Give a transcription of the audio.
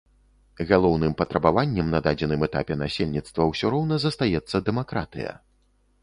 Галоўным патрабаваннем на дадзеным этапе насельніцтва ўсё роўна застаецца дэмакратыя.